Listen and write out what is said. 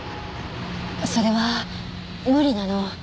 それは無理なの。